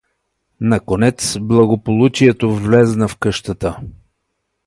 Наконец, благополучието влезна в къщата.